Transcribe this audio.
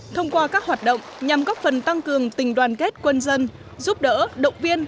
thông qua các hoạt động nhằm góp phần tăng cường tình đoàn kết quân dân giúp đỡ động viên